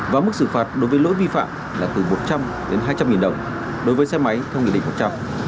và mức xử phạt đối với lỗi vi phạm là từ một trăm linh đến hai trăm linh đồng đối với xe máy theo nghị định một trăm linh